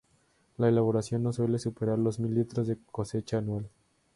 La elaboración no suele superar los mil litros de cosecha anual.